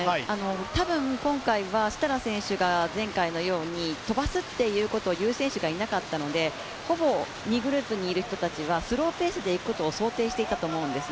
多分今回は設楽選手が前回のように飛ばすということを言う選手がいなかったのでほぼ２位グループにいる人たちはスローペースでいくということを予想していたと思うんです。